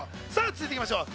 続いていきましょう。